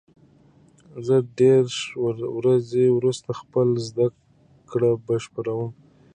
زه دېرش ورځې وروسته خپله زده کړه بشپړوم.